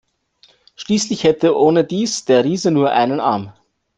Schließlich hätte ohne dies der Riese nur einen Arm.